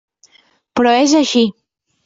Però és així.